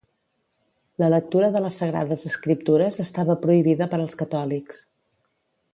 La lectura de les Sagrades Escriptures estava prohibida per als catòlics.